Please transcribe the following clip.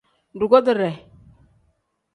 Dugotire.